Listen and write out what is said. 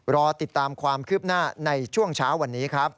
รอติดตามความคืบหน้าในช่วงเช้าวันนี้ครับ